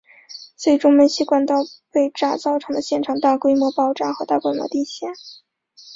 最终煤气管道被炸造成现场大规模爆炸和大规模地陷。